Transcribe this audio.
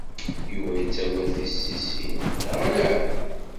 Yuba yettagad tissisin, neɣ ala?